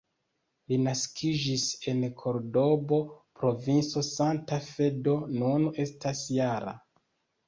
Li naskiĝis en Kordobo, provinco Santa Fe, do nun estas -jara.